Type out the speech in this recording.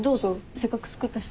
せっかく作ったし。